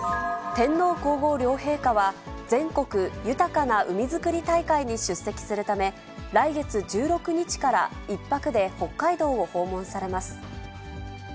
天皇皇后両陛下は、全国豊かな海づくり大会に出席するため、来月１６日から１泊で北海道を訪問されます。